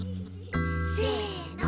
せの。